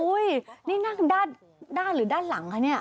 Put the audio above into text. อุ๊ยนี่นั่งด้านหรือด้านหลังครับนี่